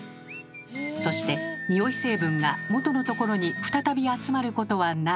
そしてニオイ成分が元のところに再び集まることはない。